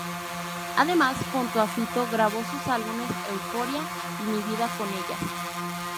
Además, junto a Fito grabó sus álbumes "Euforia" y "Mi vida con ellas".